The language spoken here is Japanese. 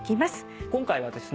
今回はですね